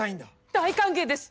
大歓迎です！